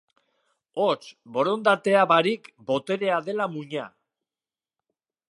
Hots, borondatea barik boterea dela muina.